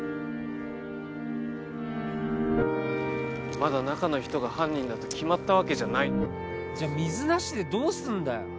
まだ中の人が犯人だと決まったわけじゃないじゃあ水なしでどうすんだよ